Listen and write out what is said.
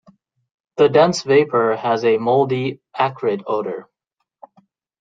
The dense vapor has a mouldy, acrid odour.